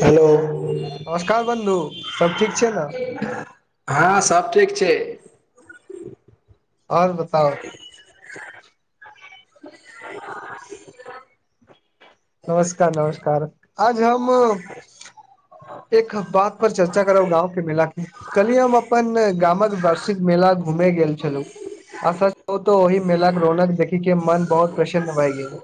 Hello नमस्कार बन्धु सब ठीक छै ने हँ सभ ठीक छै आओर बताउ [unintelligible] नमस्कार नमस्कार आज हम एक हम बात पर चर्चा करब गाँव के मेला के कलिय हम अपन गामक वार्षिक मेला घुमे गेल छलहुँ आशा त ओहिमे मेलाक रौनक देखी के मन बहुत प्रसन्न भय गेल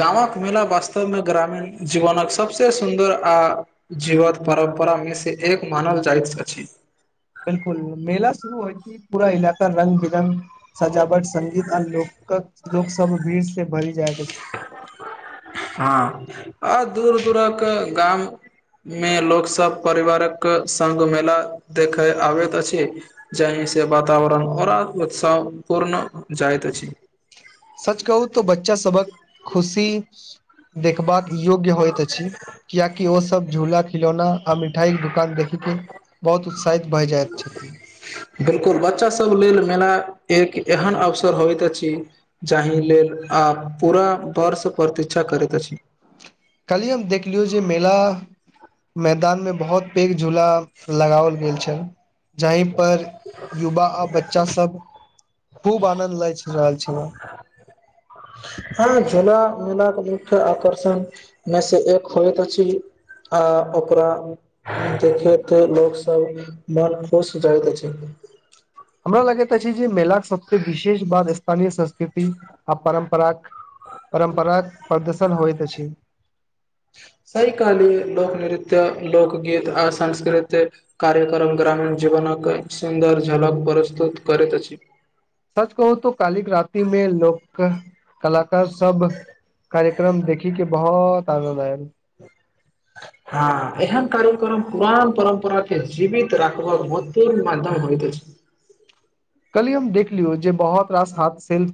गाँवक मेला वास्तवमे ग्रामीण जीवनक सबसे सुन्दर आ जीवत परम्परामे से एक मानल जाइत अछि बिलकुल मेला शुरू होइ छै की पूरा इलाका रङंग बिरङ्ग सजावट संगीत आ लोकक लोक सब भीड़ से भरि जायत अछि हँ आ दूर दूरक गाम मे लोक सब परिवारक संग मेला देखे आबैत अछि ज से वातावरण आऔर उत्साह पूर्ण जाइत अछि सच कहू तऽ बच्चा सबक खुशी देखबाक योग्य होइत अछि कियकि ओसभ सब झूला खिलौना आ मिठाई के दुकान देखिके बहुत उत्साहित भए जाइत छथि बिल्कुल बच्चा सब लेल मेला एक एहन अवसर होइत अछि जाहि लेल आ पूरा वर्ष प्रतिक्षा करैत अछि काल्हि हम देखलियौ जे मेला मैदान मे बहुत पेघ झूला लगाओल गेल छल जाहिं पर युवा आ बच्चा सब खूब आनन्द लै छला छला मेला के मुख्य आकर्षण मे से एक होइत अछि आ ओकरा देखेके लोक सब मन खुश हो जाइत छै ह हमरा लगैत अछि जे मेलाके सबसँ विशेष बात स्थानीय संस्कृति आ परम्पराक परम्परा प्रदर्शन होइत अछि सही कहलिये लोकनृत्य लोकगीत आ संस्कृत कार्यक्रम ग्रामीण जीवनकक सुन्दर झलक प्रस्तुत करैत अछि सच कहू त कालिक रति मे लोक कला सब कार्यक्रम देखी के बहुत आन्नद आयल हँ इह कार्यक्रम पुरान परम्परा के जीवित राखबाक महत्वपूर्ण माध्यम होइत अछि कली हम देख लियौ जे बहुत रास हाथ सेेल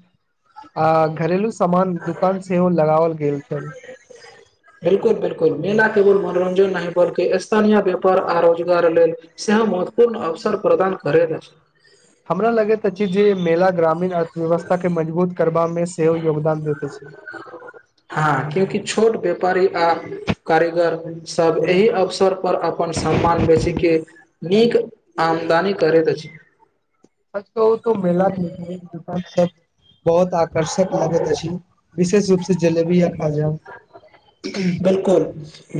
आ घरेलू सामान दुकान सेहो लगाओल गेल छलनि बिल्कुल बिलकुल मीना केवल मनोरंजन नहि बल्कि स्थानीय व्यापार आ रोजगार लेल सेहो महत्वपूर्ण अवसर प्रदान करैत अछि हमरा लगैत अछि जे मेला ग्रामीण अर्थव्यवस्था के मजबूत करबामे सेहो योगदान दैत अछि हँ क्योंकि छोट बे वापारी आ कारीगर सब एहि अवसर पर अपन सम्मान बेची के नीक आमदनी करैत अछि सच कहु त मेला म दूकान सब बहुत आकर्षक लागैत अछि विशेष रूप से जलेबी आ खाजा बिल्कुल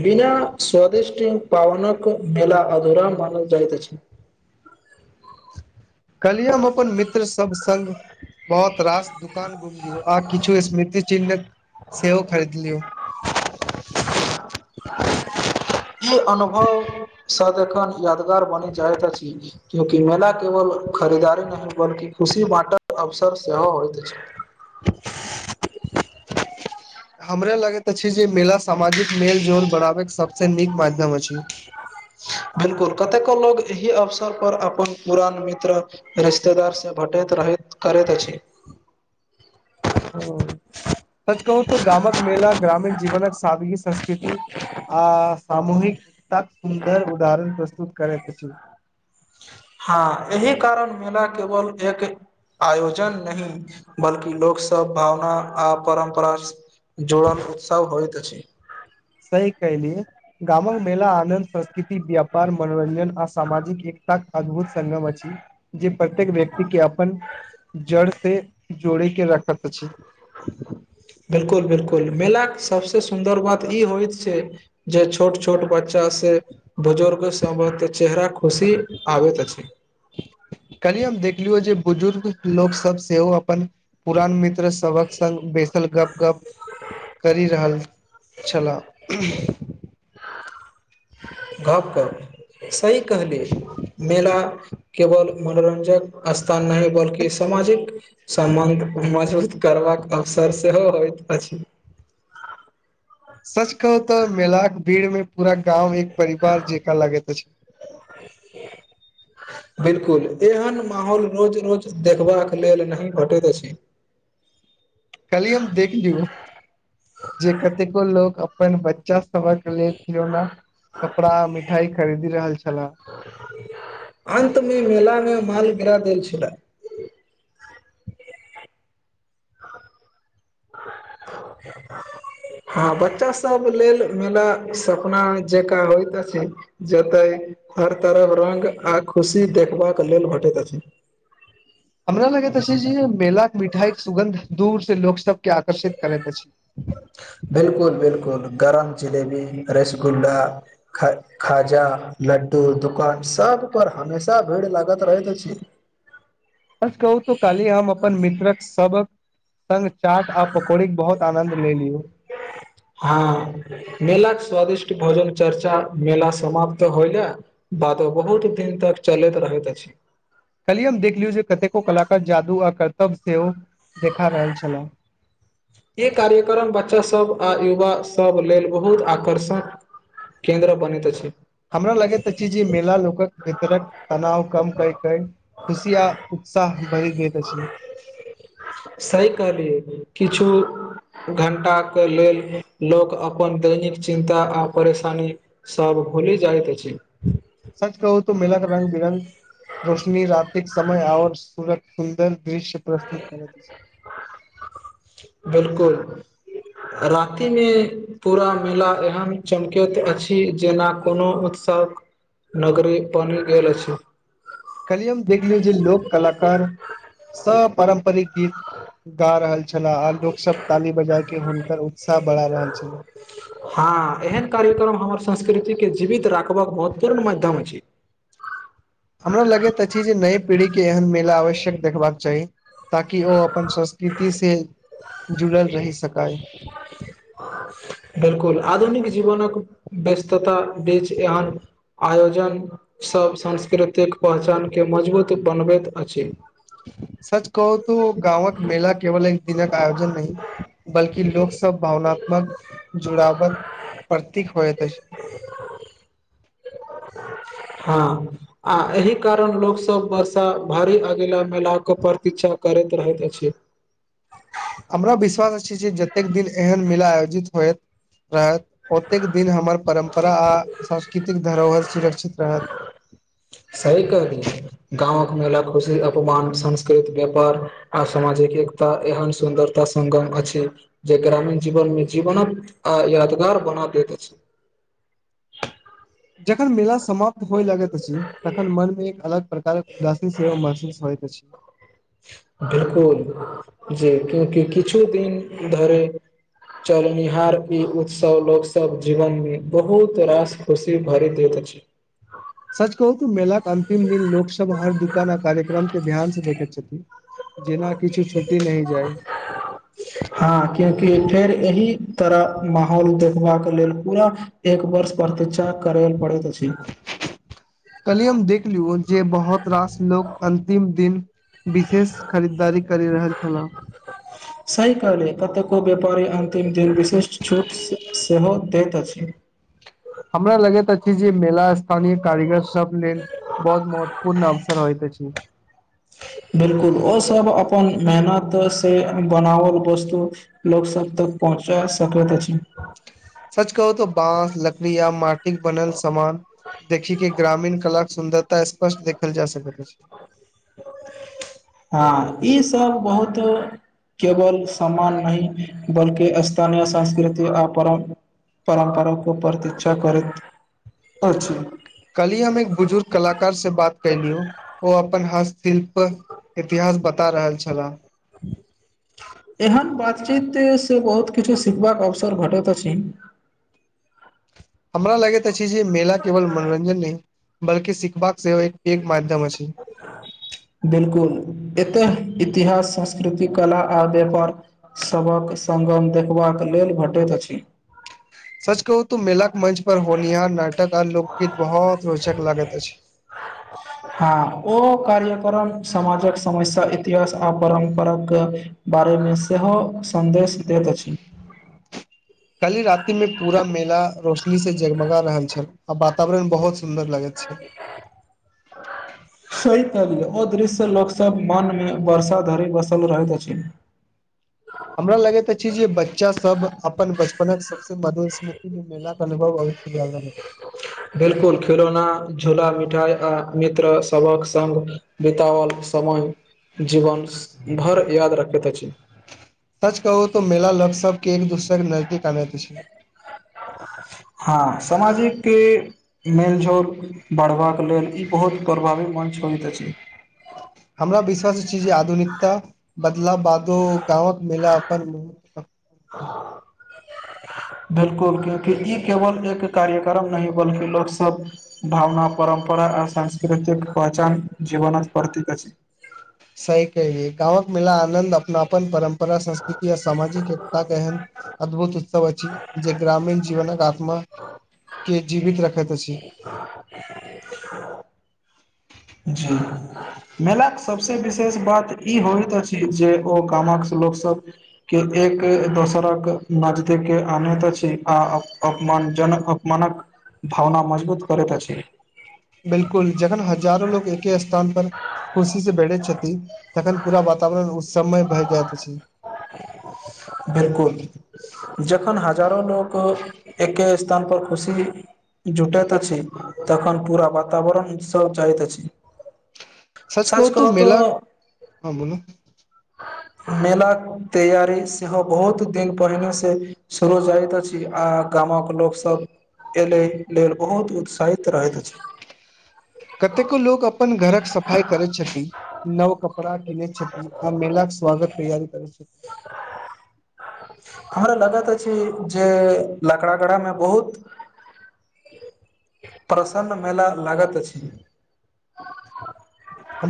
बिना स्वदिष्टी पावनकक मेल अधूरा मानल जाइत अछि कल्हि हम अपन मित्र सब सङ्ग बहुत रास दुकान घुमलियौ आ किछु स्मृति चिन्ह सेहो खरीदलियौ [unintelligible] [unintelligible] ई अनुभव सदखन यादगार बनी जाइत अछि क्यूंकि मेला केवल खरीदारी नहि बल्कि खुशी बांटक अवसर सेहो होइत अछि [unintelligible] [unintelligible] हमरा लगैत अछि जे मेला सामाजिक मेल जोल बढ़ाबैके सबस नीक माध्यम अछि [unintelligible] बिल्कुल कतेको लोग एहि अवसर पर अपन पुरान मित्र रिश्तेदार से भेटैत रहे करैत अछि ह सच कहू त गामक मेला ग्रामीण जीवनक सादगी संस्कृति आ सामूहिक एकता सुन्दर उदाहरण प्रस्तुत करैत अछि हँ एहि कारण मेला केवल एक आयोजन नहीं बल्कि लोक सब भावना आ परम्परा जुड़न उत्साह होइत अछि सही कहिलिय गामक मेला आनन्द संस्कृति व्यापार मनोरंञ्जन आ सामजिक ए ताक अद्भुत संगम अछि जे प्रत्येक व्यक्ति के अपन जड़ से जोड़ी के रखैत अछी। बिलकुल बिलकुल मेलाक के सबसे सुन्दर बात ई होइत छैय जे छोट छोट ब च से बुजुर्ग सबहक चेहरा खुशी आबैत अछि। कनि हम देखलियौ जे बुजुर्ग लोक सब सेहो अपन पुरान मित्र सवक संग बितल गप गप करि रहल छलाह घप सही कहली मेला केवल मनोरंजक स्थान नहि बल्कि सामाजिक संबंध करवाक अवसर सेहो होयत अछि सच कहू तऽ मेलाक भीड़ में पूरा गाँव एक परिवार जका लगैत अछि [unintelligible] बिल्कुल एहन माहौल रोज रोज देखबाक लेल नहि भेटैत अछि [unintelligible] कल्हि हम देख लियौ जे कतेको लोग अपन बच्चा सब के लेल खिलौना कपड़ा मिठाई खरीदी रहल छला अन्तमे मेलामे माल गिरा देल छला [unintelligible] [unintelligible] हँ बच्चा सब लेल मेला सपना जकाँ होइत अछि जतै हर तरफ रंग आ खुशी देखबाक लेल भेटैत अछि हमरा लगैत अछि जे मेलाके मिठाईक सुगन्ध दूर से लोक सब के आकर्षित करैत अछि। बिलकुल बिलकुल गरम जिलेबी रसगुल्ला ख खाजा लड्डू दुकान सब पर हमेशा भीड़ लागत रहैत अछि। सच कहु तऽ काली हम अपन मित्रक सभक संगङ्ग चाट आ पकौड़ीक बहुत आनन्द ले लियौ। हँ मेलाके स्वादिष्ट भोजन चर्चा मेला समाप्त होइ लय बादो बहुत दिन तक चलैत रहैत अछि। खली हम देख लियौ जे कतेको कलाकार जादू आ कर्तव्य सेहो देखा रहल छलाह। बच्चासभ आ युवासभ लेल बहुत आकर्षक केन्द्र बनैत अछि। हमरा लगैत अछि जे मेला लोकक भीतरक तनाव कम करै कै खुशी आ साह भरी दैत अछी। सही कहलियै किछु घंटाके लेल लोक अपन दैनिक चिन्ता आ परेशानी सभ भुली जाइत अछी। सच कहू त मेलाक रंग बिरङंग रोशनी रातिक समय आओर सूरज सुन्दर दृश्य प्रस्तुत करैत छैय। [inaudible] रातिमे पूरा मेला एहन चमकैत अछि जेना कोनो उत्सव नगरी बनि गेल अछि। कली हम देखलियौ जे लोक कलाकार स पारम्परिक गीत गा रहल छलाह आ लोक सब ताली बजा के हुनकर उत्साह बढ़ा रहल छला। हाँ एहन कार्यक्रम हमर संस्कृतिके जीवित राखबाक महत्वपूर्ण मध्यम अछि। हमरा लगैत अछि जे नयि पीढ़ी के एहन मेला आवश्यक देखबाक चाही ताकि ओ अपन संस्कृति से जुड़ल रहि सकाय। बिल्कुल आधुनिक जीवनक व्यस्तता बीच एहन आयोजन सब सांस्कृतिक पहचानके मजबूत बनबैत अछि। सच कहू तू गाँवक मेला केवल एक दिनक आयोजन नहि बल्कि लोक सब भावनात्मक जुड़ावत प्रतीक होएत अछि हाँ आ एहि कारण लोक सब वर्षा भारी अगेला मेला के प्रतिक्षा करैत रहत अछि। हमरा विश्वास अछी जे जतेक दिन एहन मेला आयोजित होयत रहत ओतेक दिन हमर परम्परा आ सांस्कृतिक धरोहर सुरक्षित रहत सही कहली गाँव घुमेला खुशी अपमान संस्कृत व्यापार आ सामाजिक एकता एहन सुन्दरता संग अछि जे ग्रामीण जीवन मे जीवनक आ यादगार बना दैत अछि। जखन मेला समाप्त होय लगैत अछि, तखन मनमे एक अलग प्रकारक उदासीन [unintelligible] अछि। बिल्कुल जे क्युकि किछु दिन धरे चलनिहार ई उत्सव लोक सब जीवन मे बहुत रास खुशी भरि दैत अछि। [inaudible] सच कहू कि मेलाके अंतिम दिन लोकसब हर दुकान आ कार्यक्रम के ध्यान से देखैत छथिन। जेना किछु छुटी नहि जाइ। हाँ कियाकि फेर एहि तरह माहौल देखबाके लेल पूरा एक वर्ष प्रतिक्षा करेल पड़े कलिय हम देख लियौ जे बहुत रास लो अन्तिम दिन विशेष खरीदारी करि रहल छलाह सहि कहलि कतेको व्यापारी अंतिम दिन विशिष छूट सेहो दैत अछि छी हमरा लगैत अछि जे मेला स्थानीय कारीगर सब लेल बहुत महत्वपूर्ण अवसर होइत अछि [inaudible] बिल्कुल ओ सब अपन मेहनत से बनावल वस्तु लोग सब तक पहुँचा सकैत अछि सच कहू त बाँस लकड़ी या माटिके बनल सामान देखि कि ग्रामीण कला सुन्दरता स्पष्ट देखल जा सकैत अछि हाँ ईसब बहुत केवल सम्मान नहि बल्कि स्थानीय संस्कृति आ परम परम्परा को प्रतीक्षा करैत अछि कली हम एक बुजुर्ग कलाकार से बात कलियौ ओ अपन हस्तशिल्प इतिहास बता रहल छलाह [inaudible] एहन बातचीत से बहुत किछु सिखबाक अवसर भैटैत अछि हमरा लगैत अछि जे मेला केवल मनोरञ्जन नहि बल्कि सिखबाक सेहो एक माध्य बिलकुल एतेह इतिहास संस्कृति कला आ व्यापार सबहक संगम देखबाक ल घटैत अछि सच कहू तऽ मेलाक मंच पर होनिहार नाटक आ लोकगीत बहुत रोच हँ ओ कार्य समाजक समस्या इतिहास आ परम्पर कऽ बारे मे सेहो सन्देश त दैत छै ह कल्हि रातिमे पूरा मेला रोशनी से जगमगा रहल छल आ वातावरण बहुत सुन्दर लागै छै सही ओ दृश्य लोक सभ मनमे वर्षा धरि बसल रहैत अछि हमरा लगैत अछि जे बच्चासभ अपन बच अप सबसँ मधुर स्मृति मे मेलाक क अनुभव अबैत या नहि बिलकुल खिलौना झूला मिठाई आ मित्र सभक संग बिताओल समय जीवन स्स भरि याद रखैत अछि सच कहू तऽ मेला लग सबके एक दूसरे के नजदीक आवैत अछि हँ सामाजिक के मेलजोल बढ़बाक लेल ई बहुत प्रभावी मन छनित अछि हमरा विश्वास अछि जे आधुनिकता बदला बादो गाँवक मेला अपन म बिलकुल क्यूंकि ई केवल एक कार्यक्रम नहि बल्कि लोक सब भावना परम्परा रा आ सांस्कृतिक पहचान जीवनक प्रतीक अछि सही कहैये गाँवक मेला आनन्द अपनापन परम्परा संस्कृति आ सामाजिक एकताक एहन अद्भुत उत्सव अछि जे ग्रामीण जीवनक आत्माके जीवित रखैत अछि जी मेलाक सबसँ विशेष बात ई होइत अछि जे ओ गामक लोक सभके एक दोसरक नजदीक आनैत अछि आ अपमान जनक उपमानक भावना मजबूत करैत छै बिल्कुल जखन हजारो लोग एके स्थान पर खुशी से बैठे छथिन तखन पूरा बात बताबै ओ स् बिल्कुल जखन हाथ हजारो लोक एके स्थान पर खुशी जुटइत अछि तखन पूरा वातावरण उत्सव चाहैत अछि सच कहू तू मेला हँ बोलू मेलाक तैयारी सेहो बहुत दिन पहिने से सुरू जाइत अछि आ गामक लोक सभ अहि लेल बहुत उत्साहित रहैत अछि कतेको लोक अपन घरक सफाइ करैत छथिन नव क कपड़ा कीनैत छथि आ मेेलाक स्वागत तैयारी करै हमरा लागत अछि जे लकड़ा गारामे बहुत प्रसन्न मेला लागैत अछि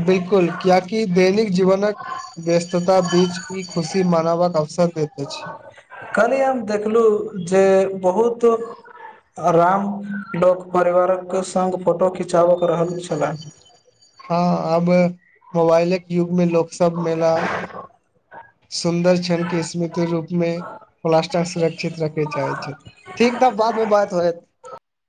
बिल्कुल कियाकि दैनिक जीवनक व्यस्तता बीच ई खुशी मनावक अवसर देैत अछि कल्हिये हम देखलहुँ जे बहुत राम लोक परिवारक सङ्ग फोटो खिचाबक रहलख छलाह हँ आब मोबाइलक युगमे लोक सब मेला सुन्दर क्षणके स्मित रूपमे प्लास्टर सुरक्षित रखय चाहै छथि ठीक त बादमे बात होयत